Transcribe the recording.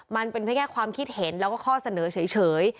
มันเป็นแค่ความคิดเห็นแล้วก็ข้อเสนอเฉย